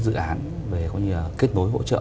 dự án về kết nối hỗ trợ